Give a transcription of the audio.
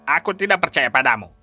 aku tidak percaya padamu